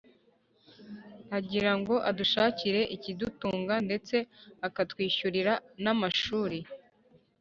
agira ngo adushakire ikidutunga ndetse akatwishyurira n’amashuri.